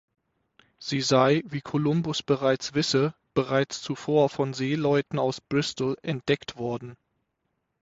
Sie sei, wie Columbus bereits wisse, bereits zuvor von Seeleuten aus Bristol entdeckt worden.